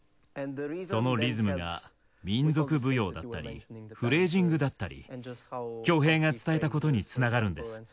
そのリズムが民族舞踊だったりフレージングだったり恭平が伝えた事に繋がるんです。